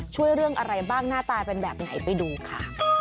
ช่วยเรื่องอะไรบ้างหน้าตาเป็นแบบไหนไปดูค่ะ